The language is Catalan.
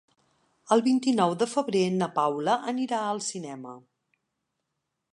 El vint-i-nou de febrer na Paula anirà al cinema.